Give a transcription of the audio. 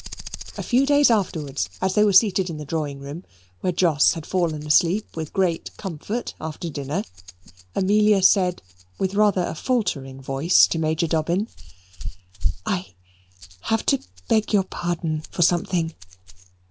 A few days afterwards, as they were seated in the drawing room, where Jos had fallen asleep with great comfort after dinner, Amelia said with rather a faltering voice to Major Dobbin "I have to beg your pardon for something."